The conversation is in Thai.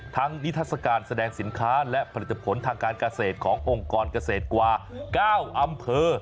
นิทัศกาลแสดงสินค้าและผลิตผลทางการเกษตรขององค์กรเกษตรกว่า๙อำเภอ